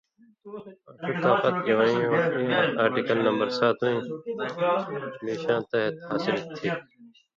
آں ݜُو طاقت اِوَیں یُو اېنا آرٹیکل نمبر ساتوئیں بیشاں تحت حاصل تھی۔